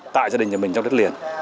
tại gia đình nhà mình trong đất liền